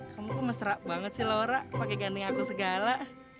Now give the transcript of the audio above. kamu mesra banget sih laura pakai ganding aku segala